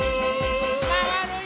まわるよ！